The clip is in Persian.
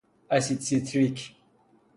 اسید سیتریک